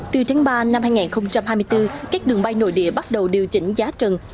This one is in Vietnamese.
từ tháng ba năm hai nghìn hai mươi bốn các đường bay nội địa bắt đầu điều chỉnh giá trần